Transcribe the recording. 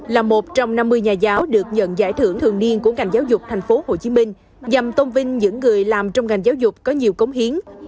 là một trong năm mươi nhà giáo được nhận giải thưởng thường niên của ngành giáo dục tp hcm nhằm tôn vinh những người làm trong ngành giáo dục có nhiều cống hiến